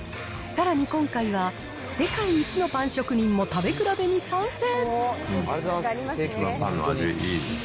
さらに今回は、世界一のパン職人も食べ比べに参戦。